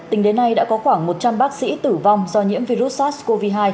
tính đến nay đã có khoảng một trăm linh bác sĩ tử vong do nhiễm virus sars cov hai